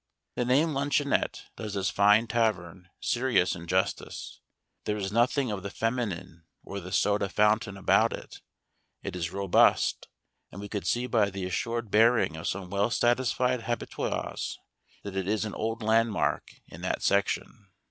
The name Luncheonette does this fine tavern serious injustice: there is nothing of the feminine or the soda fountain about it: it is robust, and we could see by the assured bearing of some well satisfied habitués that it is an old landmark in that section.